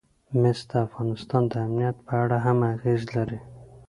مس د افغانستان د امنیت په اړه هم اغېز لري.